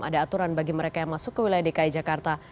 ada aturan bagi mereka yang masuk ke wilayah dki jakarta